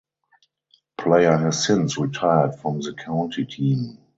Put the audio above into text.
Player has since retired from the county team.